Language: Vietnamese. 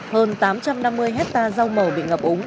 hơn tám trăm năm mươi hectare rau màu bị ngập úng